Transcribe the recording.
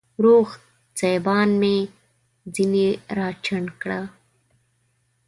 روغ سېبان مې ځيني راچڼ کړه